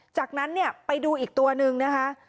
จากนั้นเนี่ยไปดูอีกตัวนึงนะคะ